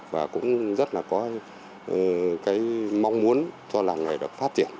và cũng rất là có cái mong muốn cho làng này được phát triển